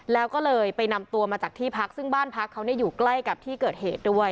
แล้วก็เลยไปนำตัวมาจากที่พักซึ่งบ้านพักเขาอยู่ใกล้กับที่เกิดเหตุด้วย